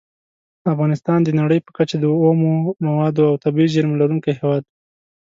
افغانستان د نړۍ په کچه د اومو موادو او طبیعي زېرمو لرونکی هیواد دی.